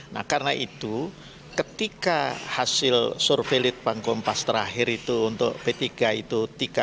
nah karena itu ketika hasil survei litbang kompas terakhir itu untuk p tiga itu tiga